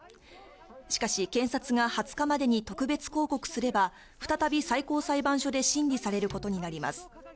しかし、検察が２０日までに特別抗告すれば、再び最高裁判所で審理されることになります。